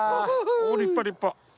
お立派立派。